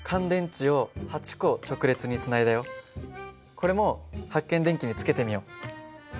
これもはく検電器につけてみよう。